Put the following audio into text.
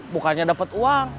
bukannya dapet uang